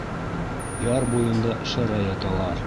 Яр буйында шәрә яталар.